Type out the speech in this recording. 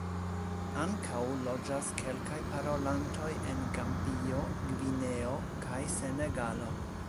Ankaŭ loĝas kelkaj parolantoj en Gambio, Gvineo kaj Senegalo.